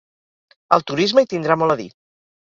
El turisme hi tindrà molt a dir.